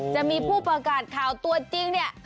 จะมีผู้ประกาศข่าวตัวจริงเนี่ย